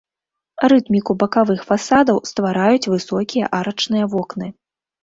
Рытміку бакавых фасадаў ствараюць высокія арачныя вокны.